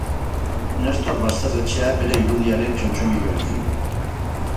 Nestor Basterretxea bere irudiaren txotxongiloarekin.